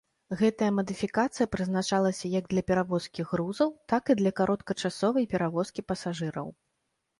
Гэтая мадыфікацыя прызначалася як для перавозкі грузаў, так і для кароткачасовай перавозкі пасажыраў.